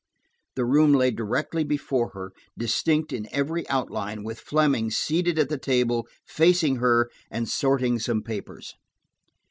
The room lay directly before her, distinct in every outline, with Fleming seated at the table, facing her and sorting some papers.